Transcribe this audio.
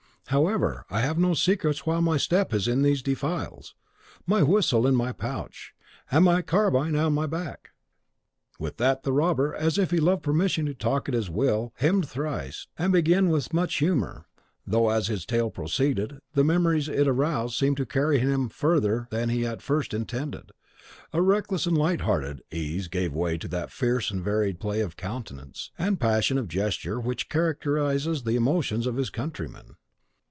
However, I have no secrets while my step is in these defiles, my whistle in my pouch, and my carbine at my back." With that the robber, as if he loved permission to talk at his will, hemmed thrice, and began with much humour; though, as his tale proceeded, the memories it roused seemed to carry him farther than he at first intended, and reckless and light hearted ease gave way to that fierce and varied play of countenance and passion of gesture which characterise the emotions of his countrymen.